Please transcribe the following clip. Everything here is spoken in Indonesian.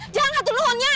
jangan hati lu ya